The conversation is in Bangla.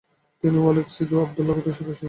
তিনি ওয়ালাদ সিদি আবদুল্লাহ গোত্রের সদস্য ছিলেন।